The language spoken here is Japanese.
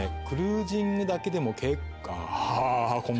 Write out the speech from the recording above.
クルージングだけでもああ